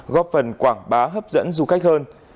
góp phần quảng bá hấp dẫn du khách hơn